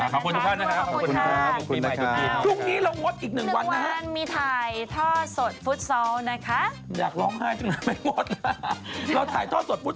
ขอบคุณทุกคนด้วยขอบคุณ